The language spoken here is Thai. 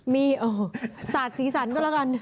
มีสาดสีสันก็แล้วกัน